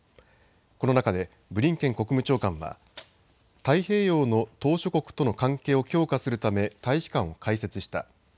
この中でブリンケン国務長官は太平洋の島しょ国との関係を強化するため、大使館を開設した。